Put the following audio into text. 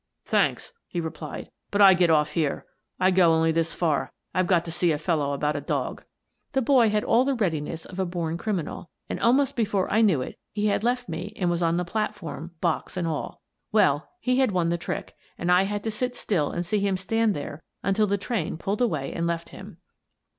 " Thanks," he replied, " but I get off here. I go only this far. I've got to see a fellow about a dog." The boy had all the readiness of a born criminal, and almost before I knew it he had left me and was on the platform, box and all. Well, he had won the trick, and I had to sit still and see him stand there until the train pulled away and left him.